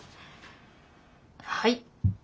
はい。